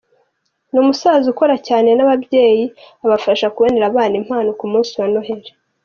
Ni umusaza ukorana cyane n’ababyeyi, abafasha kubonera abana impano ku munsi wa Noheli.